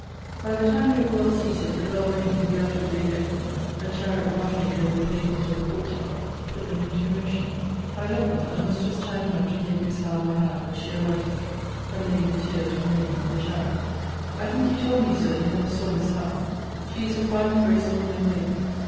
By the time we were well seated, the bell ringing, the outward gate opening, a chariot rattling over the pavement of the court yard, put them into emotion. I left them; and was just time enough to give Miss Howe my hand as she alighted: her maid in tears remaining in the chariot. I think you told me, Sir, you never saw Miss Howe. She is a fine, graceful young lady.